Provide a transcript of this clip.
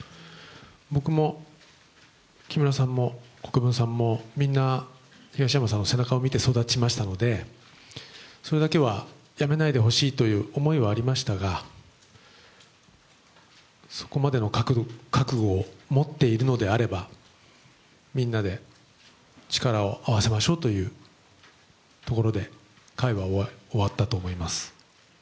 僕も木村さんも国分さんもみんな東山さんの背中を見て育ちましたので、それだけはやめないでほしいという思いはありましたが、そこまでの覚悟を持っているのであれば、みんなで力を合わせましょうというところで会は終わったと思います。